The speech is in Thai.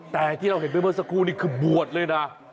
แต่ที่เราเห็นไปเมื่อสักครู่นี้คือบวชเลยนะ